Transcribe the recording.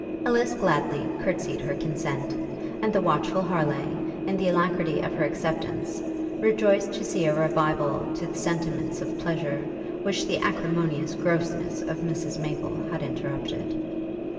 Ellis gladly courtsied her consent; and the watchful Harleigh, in the alacrity of her acceptance, rejoiced to see a revival to the sentiments of pleasure, which the acrimonious grossness of Mrs Maple had interrupted.